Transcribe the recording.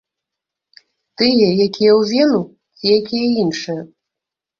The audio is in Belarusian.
Тыя, якія ў вену, ці якія іншыя?